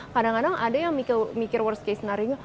kadang kadang ada yang mikir worst case snario